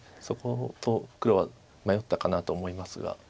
そこと黒は迷ったかなと思いますが。